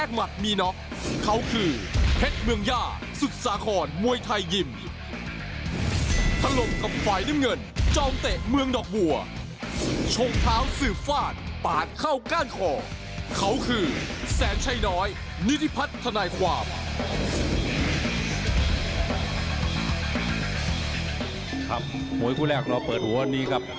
มวยคู่แรกเราเปิดหัววันนี้ครับ